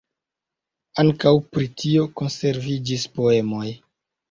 Ankaŭ pri tio konserviĝis poemoj.